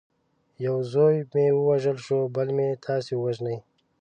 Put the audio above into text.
یو زوی مې ووژل شو بل مې تاسي وژنئ.